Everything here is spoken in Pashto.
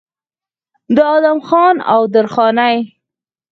د ادم خان او درخانۍ